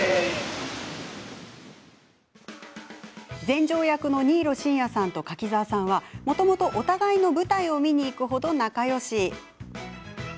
全成役の新納慎也さんと柿澤さんはもともとお互いの舞台を見に行く程、仲よし。